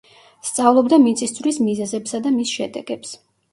სწავლობდა მიწისძვრის მიზეზებსა და მის შედეგებს.